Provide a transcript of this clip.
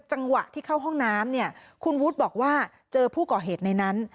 จังหวะที่เข้าห้องน้ำเนี่ยคุณวุฒิบอกว่าเจอผู้ก่อเหตุในนั้น